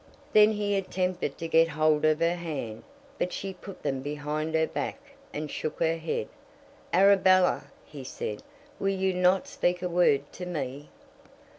Then he attempted to get hold of her hand, but she put them behind her back and shook her head. "Arabella," he said, "will you not speak a word to me?"